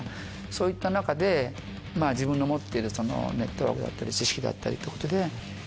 そういった中で自分の持ってるネットワークだったり知識だったり。